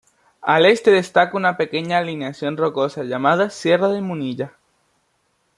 Al este destaca una pequeña alineación rocosa llamada "Sierra de Munilla".